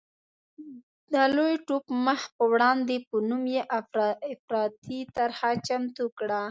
د لوی ټوپ مخ په وړاندې په نوم یې افراطي طرحه چمتو کړه.